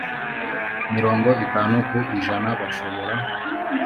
mirongo itanu ku ijana bashobora